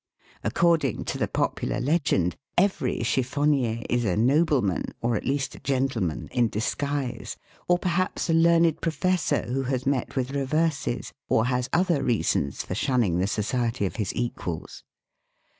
According to the popular legend, every chiffonnier is a nobleman, or PARIS CHIFFONNIERS. 269 at least a gentleman, in disguise, or perhaps a learned pro fessor who has met with reverses, or has other reasons for shunning the society of his equals.